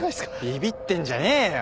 ビビってんじゃねえよ。